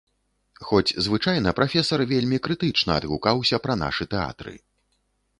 Хоць звычайна прафесар вельмі крытычна адгукаўся пра нашы тэатры.